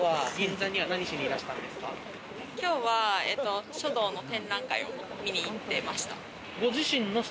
今日は書道の展覧会を見に行ってました。